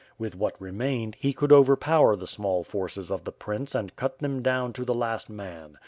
With what remained, he could overpower the small forces of the prince and cut them down to the last man.